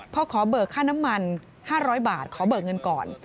พอขอเบิกค่าน้ำมัน๕๐๐บาทขอเบิกเงินก่อน